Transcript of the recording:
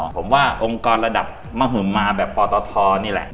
ผมว่าองค์กรระดับมหุมาแบบปตทนี่แหละ